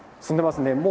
進んでいますね。